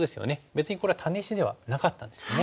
別にこれはタネ石ではなかったんですよね。